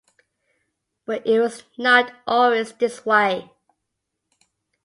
But it was not always this way.